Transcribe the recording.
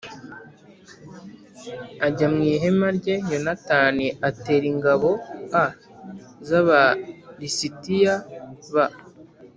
ajya mu ihema rye Yonatani atera ingabo a z Aba lisitiya b